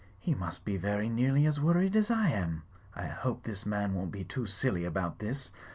He must be very nearly as worried as I am! I hope this man won't be too silly about this!